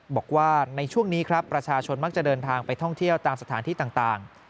บอกว่าในช่วงนี้ครับประชาชนมักจะเดินทางไปท่องเที่ยวตามสถานที่ต่าง